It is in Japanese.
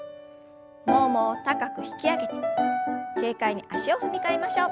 ももを高く引き上げて軽快に足を踏み替えましょう。